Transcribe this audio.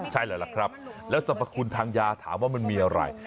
ใช่แล้วล่ะครับแล้วสรรพคุณทางยาถามว่ามันมีอะไร